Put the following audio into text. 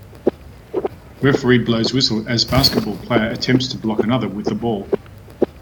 Referee blows whistle as basketball player attempts to block another with the ball.